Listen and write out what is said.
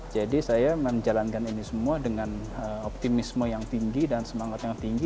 jadi saya menjalankan ini semua dengan optimisme yang tinggi dan semangat yang tinggi